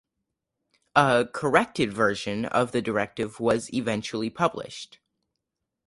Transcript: A "corrected" version of the directive was eventually published.